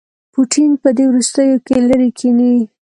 پوټین په دې وروستیوکې لیرې کښيني.